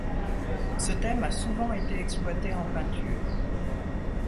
Ce thème a souvent été exploité en peinture.